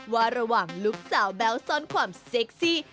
ว่าระหว่างลูกสาวแบ๊วซ่อนความเซ็กซี่